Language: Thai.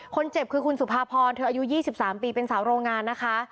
คนเจ็บคือคุณสุภาพรเธออายุ๒๓ปีเป็นสาวโรงงานนะคะ